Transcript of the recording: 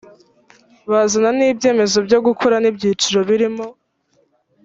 bazana n ibyemezo byo gukora n ibyiciro birimo